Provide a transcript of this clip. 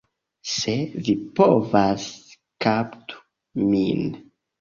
Se vi povas, kaptu min!